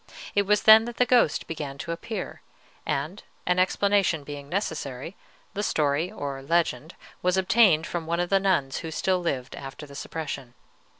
It was then that the ghost began to appear; and, an explanation being necessary, the story, or legend, was obtained from one of the nuns who still lived after the suppression.